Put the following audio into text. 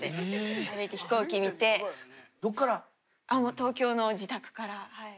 東京の自宅からはい。